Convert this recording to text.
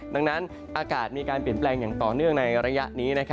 ดังนั้นอากาศมีการเปลี่ยนแปลงอย่างต่อเนื่องในระยะนี้